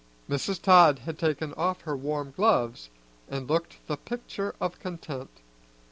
Mrs. Todd had taken off her warm gloves and looked the picture of content.